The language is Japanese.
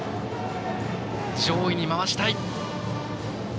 上位に回したい。